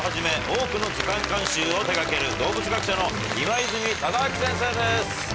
多くの図鑑監修を手掛ける動物学者の今泉忠明先生です。